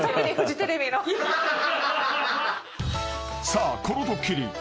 ［さあこのドッキリ。